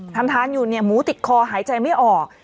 ทำทานอยู่หมูติดคอหายใจไม่ออก